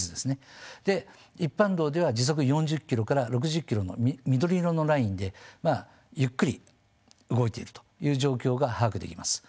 で一般道では時速４０ｋｍから６０ｋｍの緑色のラインでまあゆっくり動いているという状況が把握できます。